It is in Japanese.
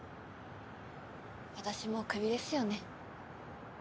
私もう首ですよね。